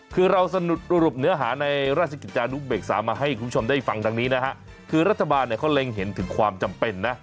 คือเราสรุปเนื้อหาในราชกิจจานุเบกษามาให้คุณผู้ชมได้ฟังดังนี้นะฮะคือรัฐบาลเนี่ยเขาเล็งเห็นถึงความจำเป็นนะ